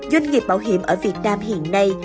doanh nghiệp bảo hiểm ở việt nam hiện nay